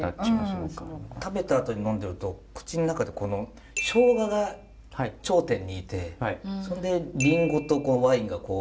食べたあとに呑んでると口の中でこのしょうがが頂点にいてそんでリンゴとワインがこう。